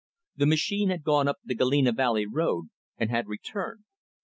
The machine had gone up the Galena Valley road, and had returned.